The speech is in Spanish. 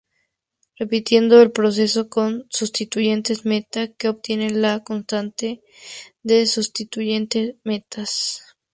Repitiendo el proceso con sustituyentes "meta" se obtiene la constante de sustituyente "metas".